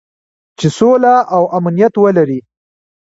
چې سوله او امنیت ولري.